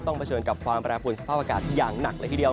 ต้องเผชิญกับความประแบบผลสภาพอากาศอย่างหนักเลยทีเดียว